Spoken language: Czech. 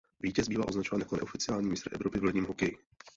Vítěz bývá označován jako neoficiální mistr Evropy v ledním hokeji.